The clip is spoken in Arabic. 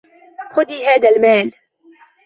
خذي هذا المال.